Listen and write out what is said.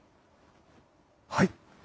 はい！